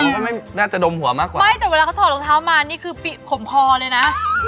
ก็ไม่น่าจะดมหัวมากกว่าไม่แต่เวลาเขาถอดรองเท้ามานี่คือขมคอเลยนะ